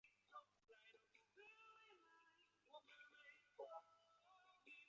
有亲属从国外回来